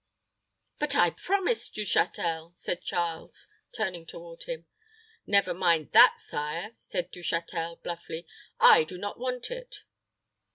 "But I promised, Du Châtel," said Charles, turning toward him. "Never mind that, sire," said Du Châtel, bluffly. "I do not want it.